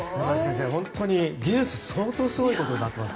技術も相当すごいことになっています。